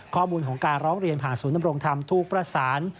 ข้อมูลของการร้องเรียนผ่านศูนย์ดำรงธรรมถูกประสาน